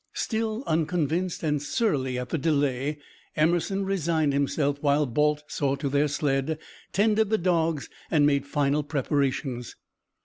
Still unconvinced, and surly at the delay, Emerson resigned himself, while Balt saw to their sled, tended the dogs, and made final preparations.